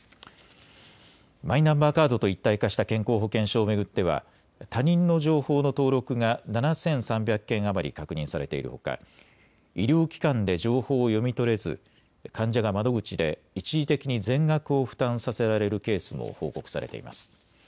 マイナンバーカードと一体化した健康保険証を巡っては他人の情報の登録が７３００件余り確認されているほか医療機関で情報を読み取れず患者が窓口で一時的に全額を負担させられるケースも報告されています。